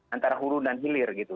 antara hurun dan hilir gitu